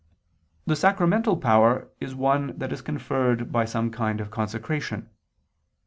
The sacramental power is one that is conferred by some kind of consecration.